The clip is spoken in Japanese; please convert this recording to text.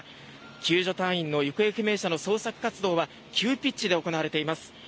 救助隊員の行方不明者の捜索活動は急ピッチで行われています。